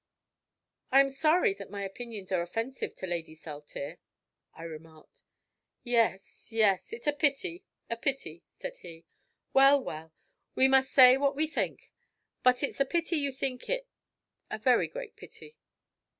"I am sorry that my opinions are offensive to Lady Saltire," I remarked. "Yes, yes; it's a pity; a pity," said he "well, well, we must say what we think; but it's a pity you think it a very great pity."